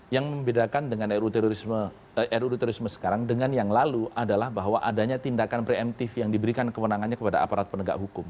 yang membedakan dengan ruu terorisme sekarang dengan yang lalu adalah bahwa adanya tindakan preemptif yang diberikan kewenangannya kepada aparat penegak hukum